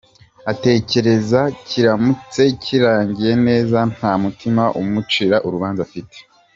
Atekereze kiramutse kirangiye neza nta mutima umucira urubanza afite.